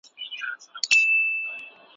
د جبري نکاح ضررونه ډير زيات دي.